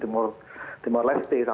cuma kalau timor leste itu